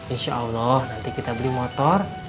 insya allah nanti kita beli motor